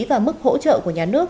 và mức hỗ trợ của nhà nước